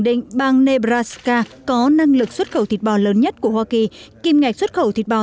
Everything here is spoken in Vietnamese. định bang nebraska có năng lực xuất khẩu thịt bò lớn nhất của hoa kỳ kim ngạch xuất khẩu thịt bò